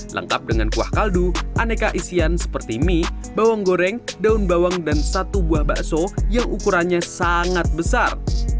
lengkap dengan kuah kaldu aneka isian seperti mie bawang goreng daun bawang dan satu buah bakso yang ukurannya sangat besar